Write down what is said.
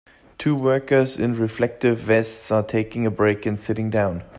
Two workers in reflective vests are taking a break and sitting down.